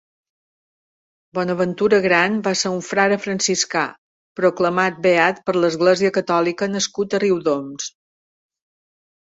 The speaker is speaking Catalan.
Bonaventura Gran va ser un frare franciscà, proclamat beat per l'Església catòlica nascut a Riudoms.